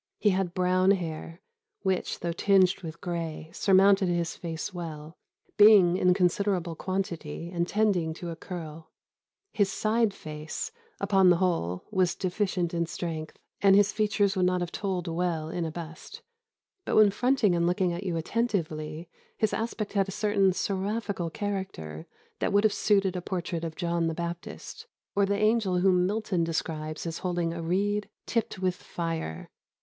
He had brown hair, which, though tinged with gray, surmounted his face well, being in considerable quantity, and tending to a curl. His side face, upon the whole, was deficient in strength, and his features would not have told well in a bust; but when fronting and looking at you attentively, his aspect had a certain seraphical character that would have suited a portrait of John the Baptist, or the angel whom Milton describes as holding a reed 'tipt with fire.